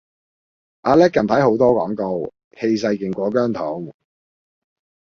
阿叻近排好多廣告，氣勢勁過姜濤